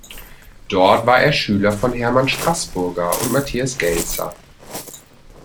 Dort war er Schüler von Hermann Strasburger und Matthias Gelzer.